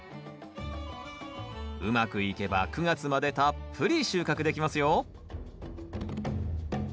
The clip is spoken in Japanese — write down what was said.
うまくいけば９月までたっぷり収穫できますよ